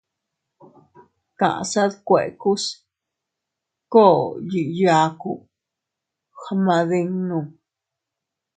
Kaʼsa dkuekus koo yiʼi yaaku gmadinnu.